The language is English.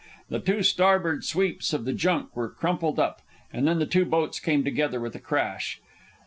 The two starboard sweeps of the junk were crumpled up, and then the two boats came together with a crash.